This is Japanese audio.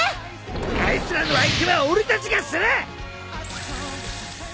あいつらの相手は俺たちがする！